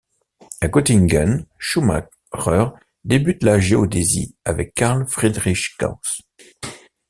À Göttingen Schumacher débute la géodésie avec Carl Friedrich Gauss.